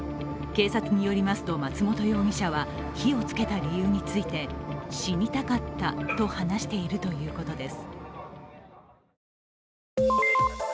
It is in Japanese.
警察によりますと、松本容疑者は火をつけた理由について死にたかったと話しているということです。